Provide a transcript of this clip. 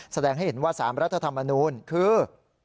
แสดงให้เห็นว่า๓รัฐธรรมนูลคือ